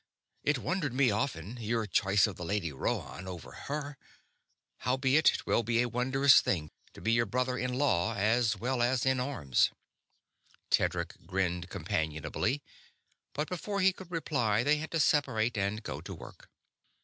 It wondered me often, your choice of the Lady Rhoann over her. Howbeit, 'twill be a wondrous thing to be your brother in law as well as in arms." Tedric grinned companionably, but before he could reply they had to separate and go to work.